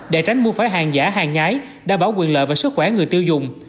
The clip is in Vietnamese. để tránh mua phải hàng giả hàng nhái đảm bảo quyền lợi và sức khỏe người tiêu dùng